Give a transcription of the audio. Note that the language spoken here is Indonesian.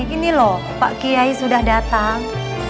ini lho pak kiai sudah datang